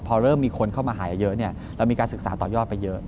พอเริ่มมีคนเข้ามาหาเยอะเรามีการศึกษาต่อยอดไปเยอะ